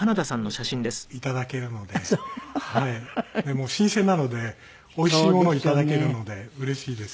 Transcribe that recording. もう新鮮なのでおいしいものをいただけるのでうれしいです。